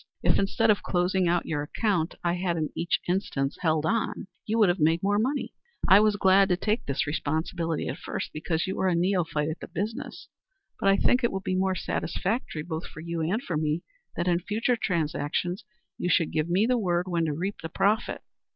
If instead of closing out your account, I had in each instance held on, you would have made more money. I was glad to take this responsibility at first because you were a neophyte at the business, but I think it will be more satisfactory both for you and for me that in future transactions you should give me the word when to reap the profit.